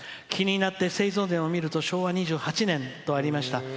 気になって製造年を見ると昭和２８年とありました。